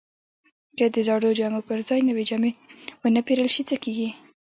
که د زړو جامو پر ځای نوې جامې ونه پیرل شي، څه کیږي؟